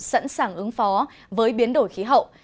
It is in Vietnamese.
sẵn sàng ứng phó với biến đổi khí hậu